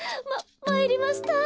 まいりました。